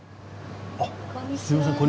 あっすみません。